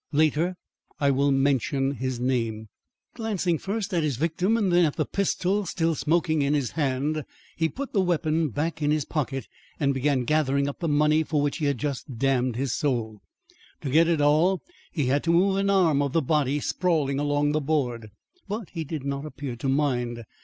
Later I will mention his name. Glancing first at his victim, then at the pistol still smoking in his hand, he put the weapon back in his pocket, and began gathering up the money for which he had just damned his soul. To get it all, he had to move an arm of the body sprawling along the board. But he did not appear to mind.